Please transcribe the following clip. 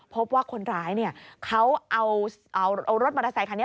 พบว่าคนร้ายเขาเอารถมอเตอร์ไซคันนี้